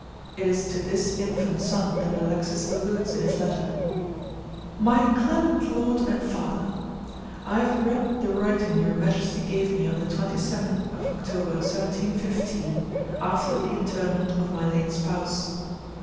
It is to this infant son that Alexis alludes in his letter: "MY CLEMENT LORD AND FATHER, "I have read the writing your majesty gave me on the 27th of October, 1715, after the interment of my late spouse.